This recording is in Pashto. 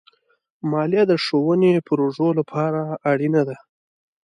مالیه د ښوونې پروژو لپاره اړینه ده.